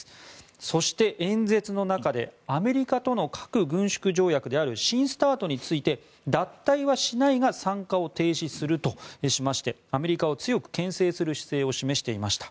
そして、演説の中でアメリカとの核軍縮条約である新ＳＴＡＲＴについて脱退はしないが参加を停止するとしましてアメリカを強くけん制する姿勢を示していました。